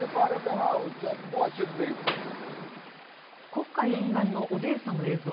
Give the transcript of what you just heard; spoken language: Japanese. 黒海沿岸のオデーサの映像。